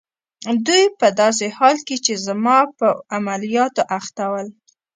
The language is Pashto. دوی په داسې حال کې چي زما په عملیاتو اخته ول.